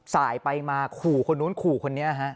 สายไปมาขู่คนนู้นขู่คนนี้ฮะ